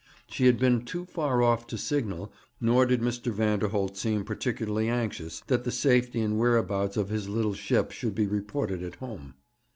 She had been too far off to signal, nor did Mr. Vanderholt seem particularly anxious that the safety and whereabouts of his little ship should be reported at home.